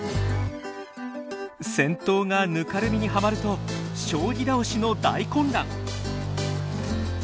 先頭がぬかるみにはまると将棋倒しの大混乱。